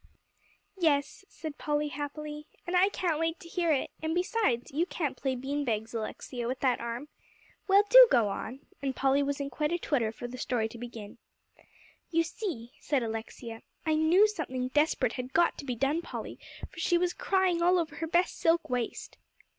"Yes," said Polly happily, "and I can't wait to hear it; and besides, you can't play bean bags, Alexia, with that arm. Well, do go on," and Polly was in quite a twitter for the story to begin. "You see," said Alexia, "I knew something desperate had got to be done, Polly, for she was crying all over her best silk waist."